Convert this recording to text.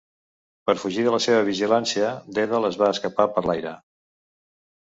Per fugir de la seva vigilància, Dèdal es va escapar per l'aire.